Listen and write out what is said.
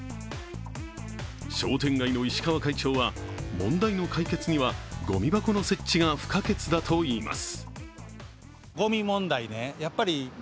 商店街の石川会長は、問題の解決にはごみ箱の設置が不可欠だといいます。